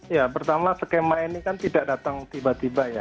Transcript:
ya pertama skema ini kan tidak datang tiba tiba ya